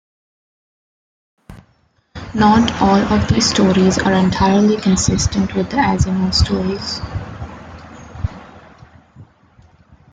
Not all of these stories are entirely consistent with the Asimov stories.